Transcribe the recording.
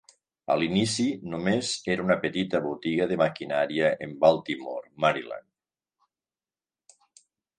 A l'inici només era una petita botiga de maquinària en Baltimore, Maryland.